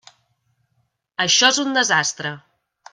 Això és un desastre.